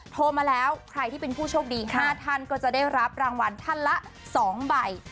โทรมาแล้วใครที่เป็นผู้โชคดี๕ท่านก็จะได้รับรางวัลท่านละ๒ใบ